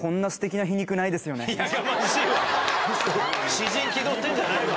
詩人気取ってんじゃないわ。